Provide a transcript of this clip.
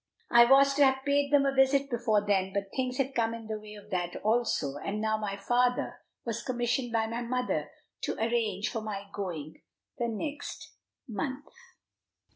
I was to have paid them a visit before then; but things had come in the way of that also, and now my father was commissioned by my mother to arrange for my going the next month.